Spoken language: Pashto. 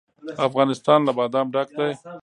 افغانستان له بادام ډک دی.